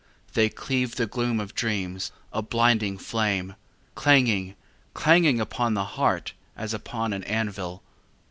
They cleave the gloom of dreams, a blinding flame, Clanging, clanging upon the heart as upon an anvil.